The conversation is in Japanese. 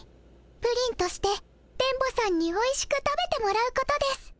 プリンとして電ボさんにおいしく食べてもらうことです。